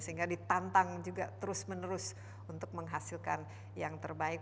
sehingga ditantang juga terus menerus untuk menghasilkan yang terbaik